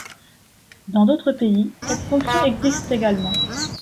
Dans d'autres pays, cette fonction existe également.